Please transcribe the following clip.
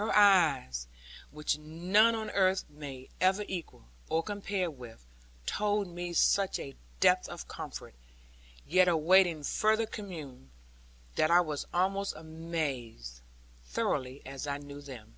Her eyes, which none on earth may ever equal, or compare with, told me such a depth of comfort, yet awaiting further commune, that I was almost amazed, thoroughly as I knew them.